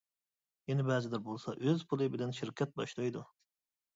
يەنە بەزىلىرى بولسا ئۆز پۇلى بىلەن شىركەت باشلايدۇ.